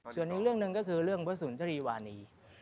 ส่วนอีกเรื่องหนึ่งก็คือเรื่องพระสุนทรีวานี